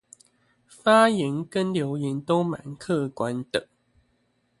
發言跟留言都蠻客觀地